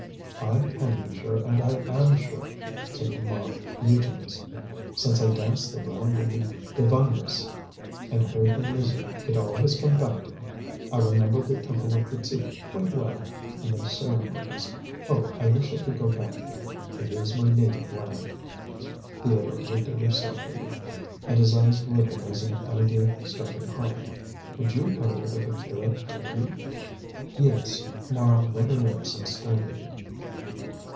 "I can be sure, and I am sure," said Mara, mutinously; "since I danced the Round of the Divineress and heard the music, it all has come back to me. I remember the Temple of Kitzuki quite well, and the ceremonies. Oh, I wish I could go back there. It is my native land." Theodore looked at her stealthily, and his eyes glittered as an idea struck him hard. "Would you go if Akira took you?" "Yes." Mara wet her lips and stared at him.